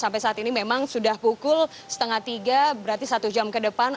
sampai saat ini memang sudah pukul setengah tiga berarti satu jam ke depan